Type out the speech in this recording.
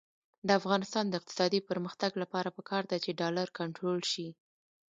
د افغانستان د اقتصادي پرمختګ لپاره پکار ده چې ډالر کنټرول شي.